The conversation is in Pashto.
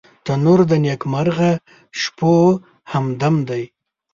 تنور د نیکمرغه شپو همدم دی